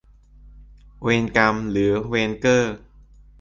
เวนกำหรือเวนเกอร์